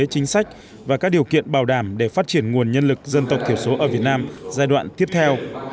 chính sách và các điều kiện bảo đảm để phát triển nguồn nhân lực dân tộc thiểu số ở việt nam giai đoạn tiếp theo